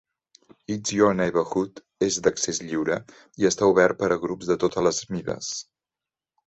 It's Your Neighbourhood és d'accés lliure i està obert per a grups de totes les mides.